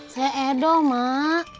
saya edoh mak